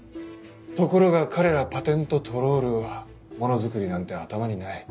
ところが彼らパテントトロールはものづくりなんて頭にない。